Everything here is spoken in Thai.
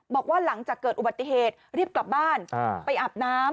บอกว่าหลังจากเกิดอุบัติเหตุรีบกลับบ้านไปอาบน้ำ